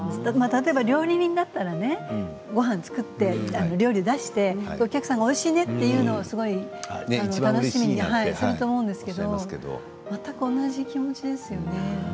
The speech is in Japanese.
例えば料理人だったらごはんを作って料理を出してお客さんがおいしいねと言うのをすごく楽しみにされてると思うんですけれど全く同じ気持ちですよね。